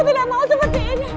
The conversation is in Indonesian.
tidak mau seperti ini